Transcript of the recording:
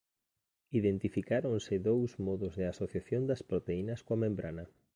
Identificáronse dous modos de asociación das proteínas coa membrana.